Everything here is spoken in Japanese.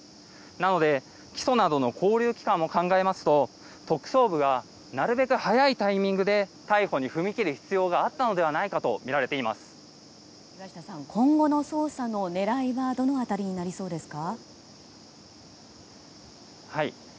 なので、起訴などの拘留期間も考えますと特捜部がなるべく早いタイミングで逮捕に踏み切る必要があったのではないかと岩下さん、今後の捜査の狙いはどの辺りになりそうですか。